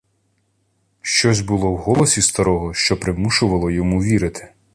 Щось було в голосі старого, що примушувало йому вірити.